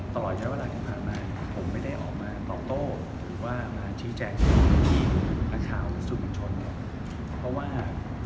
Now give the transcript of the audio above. ตลอดอย่างเวลาที่ผ่านมา